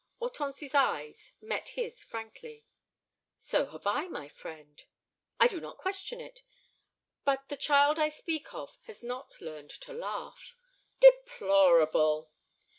Hortense's eyes met his frankly. "So have I, my friend." "I do not question it. But the child I speak of has not learned to laugh." "Deplorable!"